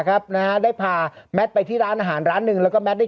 ครับนะฮะได้พาแมทไปที่ร้านอาหารร้านหนึ่งแล้วก็แมทได้